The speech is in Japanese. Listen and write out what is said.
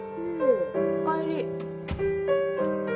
おかえり。